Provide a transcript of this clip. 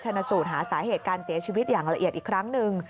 ชนะสูตรหาสาเหตุการเสียชีวิตอย่างละเอียดอีกครั้งหนึ่ง